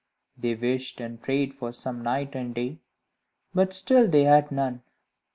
They wished and prayed for some night and day, but still they had none.